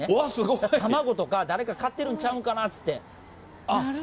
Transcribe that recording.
卵とか、誰か買ってるんちゃうんかなって。